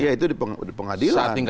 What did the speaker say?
ya itu di pengadilan